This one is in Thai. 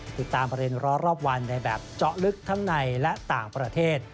ติดตามประเด็นร้อนรอบวันในแบบเจาะลึกทั้งในและต่างประเทศ